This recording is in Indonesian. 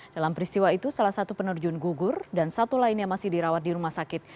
dalam peristiwa itu salah satu penerjun gugur dan satu lainnya masih dirawat di rumah sakit